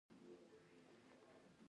هغوی قانون د هغو حقوقو نقض و.